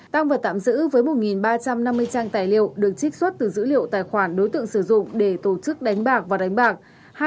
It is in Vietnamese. tăng vật tạm giữ với một ba trăm năm mươi trang tài liệu được trích xuất từ dữ liệu tài khoản đối tượng sử dụng để tổ chức đánh bạc và đánh bạc